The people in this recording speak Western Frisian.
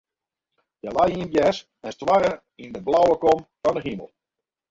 Hja lei yn it gjers en stoarre yn de blauwe kom fan de himel.